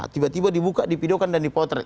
tiba tiba dibuka dipidokan dan dipotret